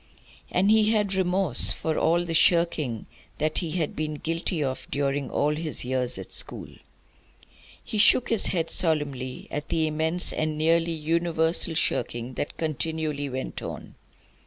And he had remorse for all the shirking that he had been guilty of during all his years at school. He shook his head solemnly at the immense and nearly universal shirking that continually went on.